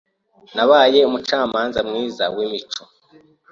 Nabaye umucamanza mwiza wimico.